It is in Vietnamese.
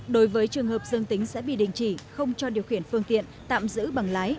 đối với trường hợp dương tính sẽ bị đình chỉ không cho điều khiển phương tiện tạm giữ bằng lái